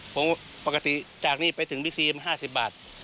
ผมปกติจากนี้ไปถึงพี่ซีม๕๐บาท